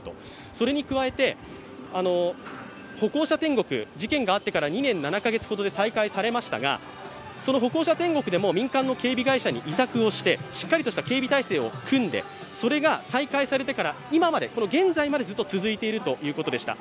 それに加えて、歩行者天国、事件があってから２年７カ月ほどで再開されましたが、その歩行者天国でも民間の警備会社に委託をしてしっかりとした警備体制を組んでそれが再開されてから今まで、現在までずっと続いているということでした。